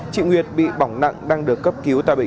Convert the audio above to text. chị nguyệt bị bỏng nặng đang được cấp cứu ta bệnh